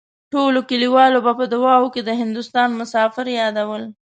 ټولو کليوالو به په دعاوو کې د هندوستان مسافر يادول.